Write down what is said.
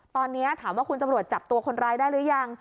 ตอนนี้ถามว่าคุณตำรวจจับตัวคนร้ายได้หรือยัง